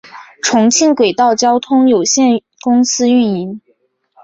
重庆轨道交通有限公司运营。